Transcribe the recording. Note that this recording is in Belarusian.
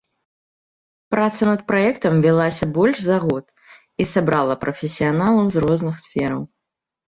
Праца над праектам вялася больш за год і сабрала прафесіяналаў з розных сфераў.